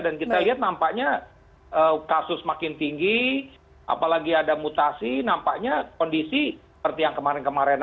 dan kita lihat nampaknya kasus makin tinggi apalagi ada mutasi nampaknya kondisi seperti yang kemarin kemarin aja